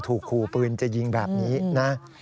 ถูกขู่ปืนจะยิงแบบนี้นะ